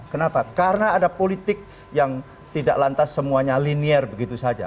kenapa karena ada politik yang tidak lantas semuanya linear begitu saja